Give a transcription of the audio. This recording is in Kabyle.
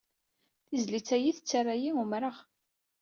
Tizlit ayyi tettara-yi umreɣ.